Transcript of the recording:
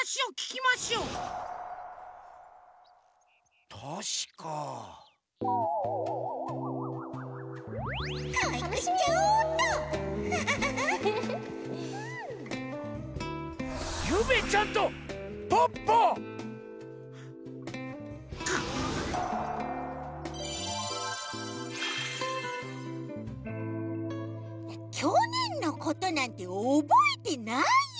きょねんのことなんておぼえてないよ。